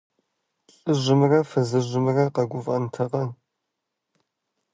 ЛӀыжьымрэ фызыжьымрэ къэгуфӀэнтэкъэ?